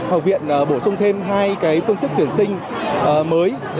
học viện bổ sung thêm hai phương thức tuyển sinh mới